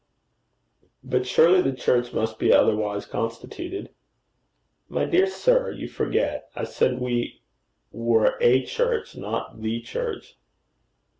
'But surely the church must be otherwise constituted.' 'My dear sir, you forget: I said we were a church, not the church.'